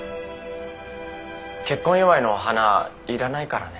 結婚祝いのお花いらないからね。